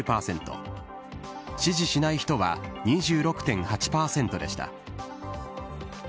支持しない人は、２６．８％でした。